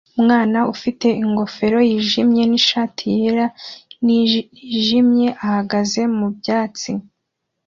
Umwana ufite ingofero yijimye nishati yera nijimye ihagaze mubyatsi